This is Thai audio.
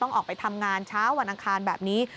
ออกไปทำงานเช้าวันอังคารแบบนี้